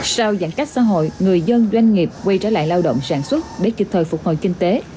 sau giãn cách xã hội người dân doanh nghiệp quay trở lại lao động sản xuất để kịp thời phục hồi kinh tế